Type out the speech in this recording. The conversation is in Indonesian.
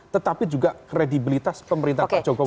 tetapi juga kredibilitas pemerintah pak jokowi